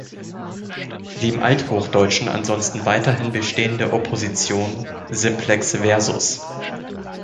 Die im Althochdeutschen ansonsten weiterhin bestehende Opposition Simplex vs.